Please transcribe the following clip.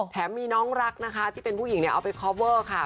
มีน้องรักนะคะที่เป็นผู้หญิงเนี่ยเอาไปคอฟเวอร์ค่ะ